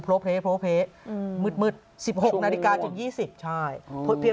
โพรเภโพรเภมืด๑๖นาฬิกาจน๒๐ใช่